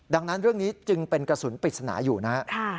ดังนั้นเรื่องนี้จึงเป็นกระสุนปริศนาอยู่นะครับ